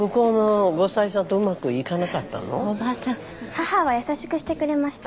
母は優しくしてくれました。